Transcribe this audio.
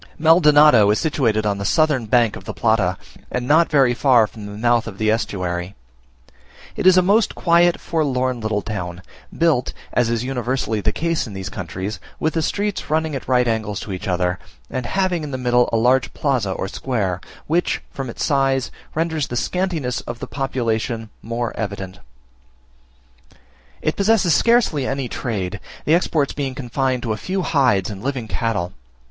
MALDONADO is situated on the northern bank of the Plata, and not very far from the mouth of the estuary. It is a most quiet, forlorn, little town; built, as is universally the case in these countries, with the streets running at right angles to each other, and having in the middle a large plaza or square, which, from its size, renders the scantiness of the population more evident. It possesses scarcely any trade; the exports being confined to a few hides and living cattle.